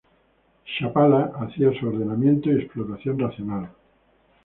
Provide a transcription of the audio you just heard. Chapala: hacia su ordenamiento y explotación racional".